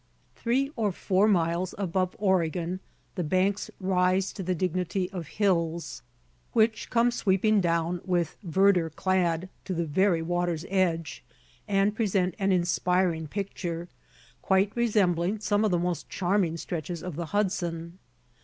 Three or four miles above Oregon the banks rise to the dignity of hills, which come sweeping down "with verdure clad" to the very water's edge, and present an inspiring picture, quite resembling some of the most charming stretches of the Hudson.